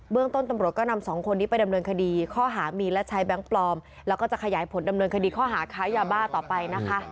เบื้องต้นตำรวจก็นำสองคนที่ไปดำเนินคดี